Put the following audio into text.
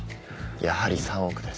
やはり３億です。